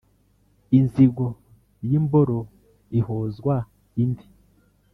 l nzigo y'imboro ihozwa indi